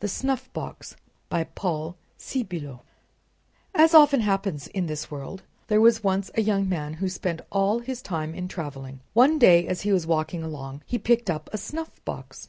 THE SNUFFBOX By Paul Sébillot As often happens in this world, there was once a young man who spent all his time in traveling. One day, as he was walking along, he picked up a snuffbox.